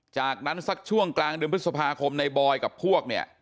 จากนั้นสักช่วงกลางเดือนพฤษภาคมในบอยกับพวกเนี่ย